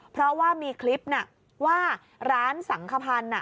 เพราะว่ามีคลิปว่าร้านสังขพันธ์